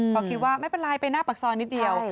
เพราะคิดว่าไม่เป็นไรไปหน้าปากซอยนิดเดียว